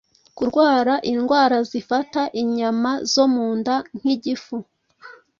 kurwara indwara zifata inyama zo mu nda nk’igifu